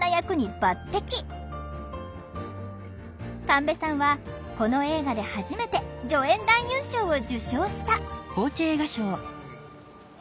神戸さんはこの映画で初めて助演男優賞を受賞した！